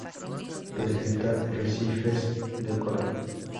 Presenta arrecifes de coral.